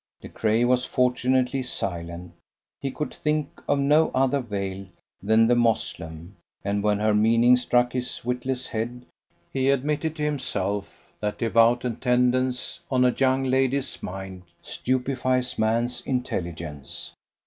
De Craye was fortunately silent; he could think of no other veil than the Moslem, and when her meaning struck his witless head, he admitted to himself that devout attendance on a young lady's mind stupefies man's intelligence.